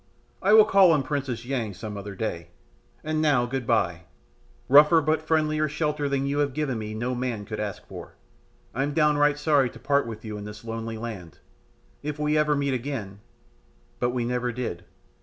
I will call on Princess Yang some other day. And now goodbye! Rougher but friendlier shelter than you have given me no man could ask for. I am downright sorry to part with you in this lonely land. If ever we meet again " but we never did!